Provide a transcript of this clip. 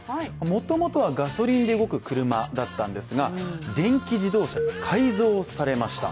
もともとはガソリンで動く車だったんですが電気自動車に改造されました。